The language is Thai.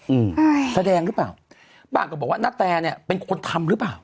อืมใช่แสดงหรือเปล่าบ้างก็บอกว่าณแตเนี้ยเป็นคนทำหรือเปล่า